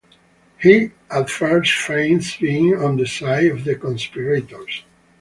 He at first feigns being on the side of the conspirators.